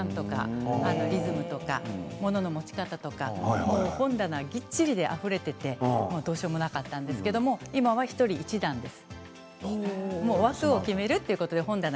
リズムとか、ものの持ち方とか本棚がきっちりあふれていてどうしようもなかったんですけれど１人１段です。